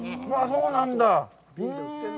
そうなんだ。